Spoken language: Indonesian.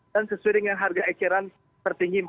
dan sesuai dengan harga ekstran tertinggi rp empat belas